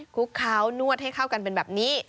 คุกเคล้านวดให้เข้ากันเป็นแบบนี้